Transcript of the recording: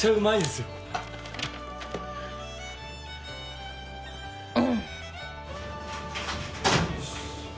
よし。